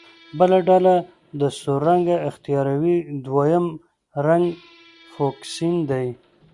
بله ډله چې سور رنګ اختیاروي دویم رنګ فوکسین دی.